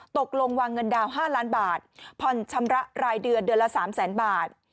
ตกลงวางเงินดาว๕ล้านบาทผ่อนชำระรายเดือนเดือนละ๓แสนบาท